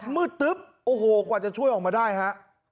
ตึ๊บโอ้โหกว่าจะช่วยออกมาได้ฮะ